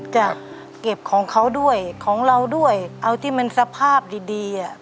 จะเก็บของเขาด้วยของเราด้วยเอาที่มันสภาพดีดีอ่ะ